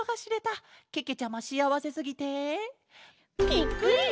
ぴっくり！